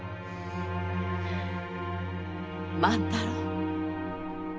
万太郎。